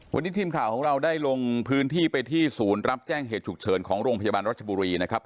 วันนี้ทีมข่าวของเราได้ลงพื้นที่ไปที่ศูนย์รับแจ้งเหตุฉุกเฉินของโรงพยาบาลรัชบุรีนะครับ